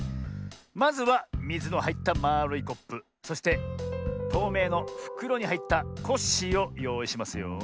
まずはみずのはいったまあるいコップそしてとうめいのふくろにはいったコッシーをよういしますよ。